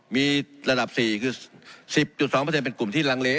มีระดับสี่คือสิบจุดสองเปอร์เซ็นต์เป็นกลุ่มที่หลังเล